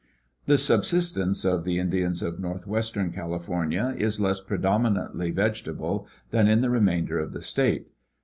The subsistence of the Indians of northwestern California is less predominatingly vegetable than in the remainder of the state.